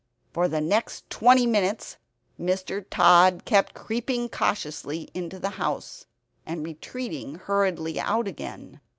For the next twenty minutes Mr. Tod kept creeping cautiously into the house, and retreating hurriedly out again.